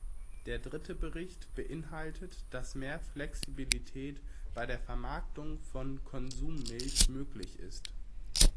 Der dritte Bericht beinhaltet, dass mehr Flexibilität bei der Vermarktung von Konsummilch möglich ist.